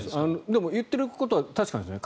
でも言っていることは確かですね。